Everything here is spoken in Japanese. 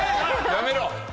やめろ！